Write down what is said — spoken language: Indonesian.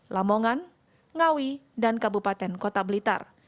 lamongan ngawi dan kabupaten kota blitar